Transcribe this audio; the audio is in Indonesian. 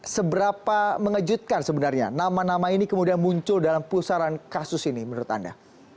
seberapa mengejutkan sebenarnya nama nama ini kemudian muncul dalam pusaran kasus ini menurut anda